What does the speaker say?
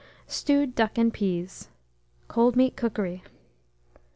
STEWED DUCK AND PEAS (Cold Meat Cookery).